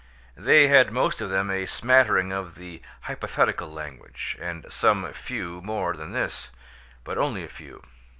They had most of them a smattering of the hypothetical language, and some few more than this, but only a few.